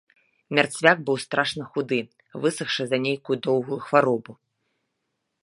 Мярцвяк быў страшна худы, высахшы за нейкую доўгую хваробу.